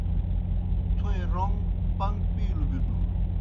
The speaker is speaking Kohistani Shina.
تھوئے روݩگ پَن٘گ پِیلوْ بِلُن۔